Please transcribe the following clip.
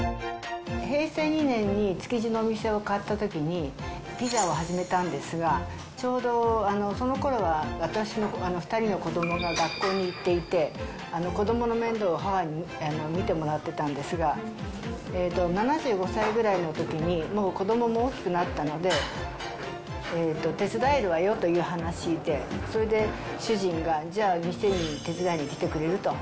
平成２年に築地のお店を買ったときに、ピザを始めたんですが、ちょうどそのころは私の２人の子どもが学校に行っていて、子どもの面倒を母に見てもらってたんですが、７５歳ぐらいのときに、もう子どもも大きくなったので、手伝えるわよという話で、それで主人が、じゃあ、店に手伝いに来てくれる？と。